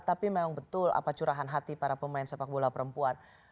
tapi memang betul apa curahan hati para pemain sepak bola perempuan